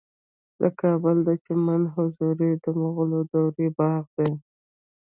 د کابل د چمن حضوري د مغلو دورې باغ دی